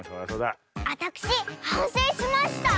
あたくしはんせいしました！